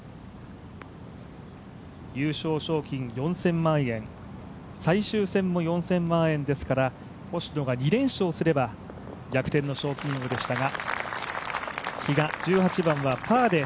優勝賞金４０００万円最終戦も４０００万円ですから、星野が２連勝すれば逆転の賞金王でしたが、比嘉、１８番はパーで